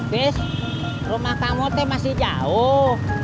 sis rumah kamu tuh masih jauh